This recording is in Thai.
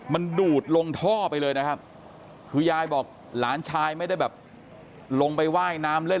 มันดูดลงท่อไปเลยนะครับคือยายบอกหลานชายไม่ได้แบบลงไปว่ายน้ำเล่น